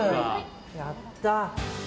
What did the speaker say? やった。